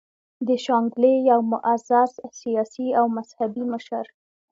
د شانګلې يو معزز سياسي او مذهبي مشر